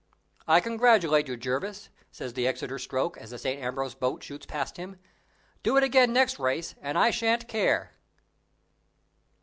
"I congratulate you, Jervis," says the Exeter stroke, as the St. Ambrose boat shoots past him. "Do it again next race and I shan't care."